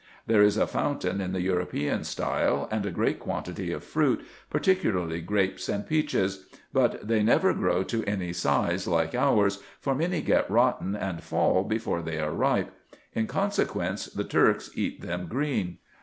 There is a fountain in the European style, and a great quantity of fruit, particularly grapes and peaches; but they never grow to any size like ours, for many get rotten and fall before they are ripe ; in consequence, the Turks eat them green.